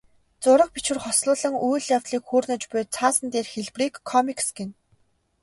Зураг, бичвэр хослуулан үйл явдлыг хүүрнэж буй цаасан дээрх хэлбэрийг комикс гэнэ.